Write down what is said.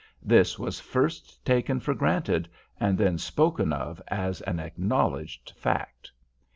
This was first taken for granted, and then spoken of as an acknowledged fact.